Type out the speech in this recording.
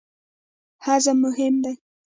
هضم مهم دی.